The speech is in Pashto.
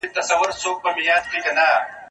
زه کولای سم لوبه وکړم!؟